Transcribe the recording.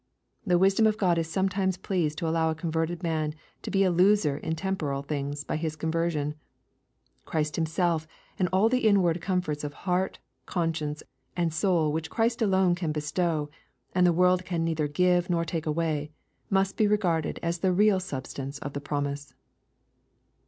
The wisdom of God is sometimes pleased to allow a converted man to be a loser in temporal things by his conversion. Christ Him self, and all the inward comforts of heart, conscience, and soul which Christ alone can bestow, and the world can neither give nor take away, must be regarded as the real substance of the promise.